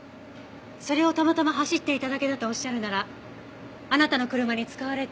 それをたまたま走っていただけだとおっしゃるならあなたの車に使われている不凍液と